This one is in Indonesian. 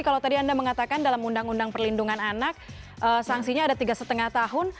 kalau tadi anda mengatakan dalam undang undang perlindungan anak sanksinya ada tiga lima tahun